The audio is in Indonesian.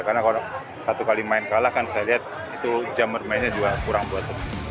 karena kalau satu kali main kalah kan saya lihat itu jam bermainnya juga kurang buat